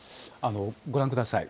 ご覧ください。